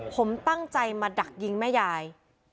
ผมตั้งใจมาดักยิงแม่ยาย